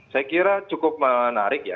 saya kira cukup menarik ya